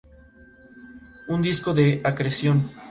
Un disco de acreción.